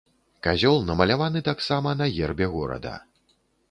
Казёл намаляваны таксама на гербе горада.